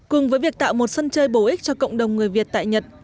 cùng với việc tạo một sân chơi bổ ích cho cộng đồng người việt tại nhật